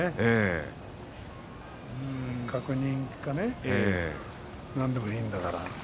確認でも何でもいいんだから。